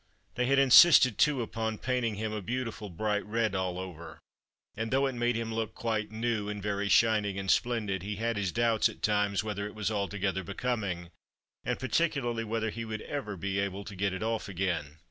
They had insisted, too, upon painting him a beautiful bright red all over, and though it made him look quite new, and very shining and splendid, he had his doubts at times whether it was altogether becoming, and particularly whether he would ever be able to get it off again.